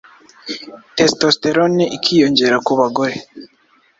testosterone ikiyongera ku bagore